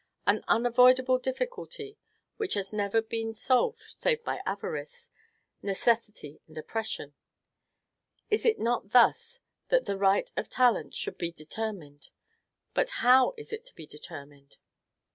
An unavoidable difficulty, which has never been solved save by avarice, necessity, and oppression. It is not thus that the right of talent should be determined. But how is it to be determined? 4.